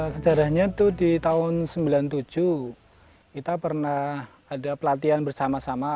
sejarahnya itu di tahun seribu sembilan ratus sembilan puluh tujuh kita pernah ada pelatihan bersama sama